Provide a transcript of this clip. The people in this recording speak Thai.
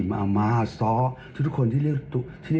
โปรทุกคนไปก้น